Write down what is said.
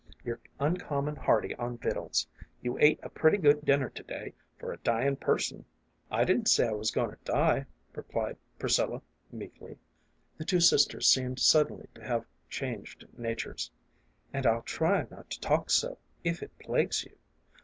You're uncommon hearty on vittles. You ate a pretty good dinner to day for a dyin' person." " I didn't say I was goin' to die," replied Priscilla, meekly : the two sisters seemed suddenly to have changed natures. " An' I'll try not to talk so, if it plagues you.